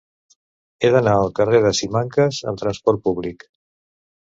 He d'anar al carrer de Simancas amb trasport públic.